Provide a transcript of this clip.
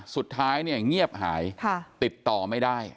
สุดท้ายเนี่ยเงียบหายติดต่อไม่ได้